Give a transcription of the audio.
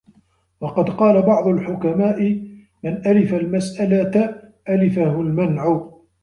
وَقَدْ قَالَ بَعْضُ الْحُكَمَاءِ مَنْ أَلِفَ الْمَسْأَلَةَ أَلِفَهُ الْمَنْعُ